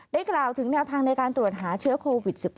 กล่าวถึงแนวทางในการตรวจหาเชื้อโควิด๑๙